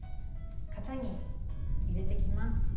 型に入れていきます。